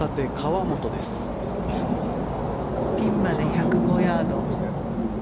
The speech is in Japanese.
ピンまで１０５ヤード。